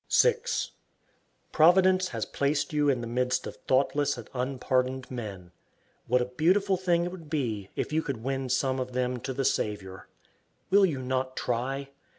_" 6. Providence has placed you in the midst of thoughtless and unpardoned men. What a beautiful thing it would be if you could win some of them to the Saviour. Will you not try?